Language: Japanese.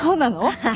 はい。